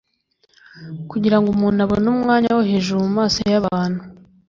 Kugira ngo umuntu abone umwanya wo hejuru mu maso y'abantu,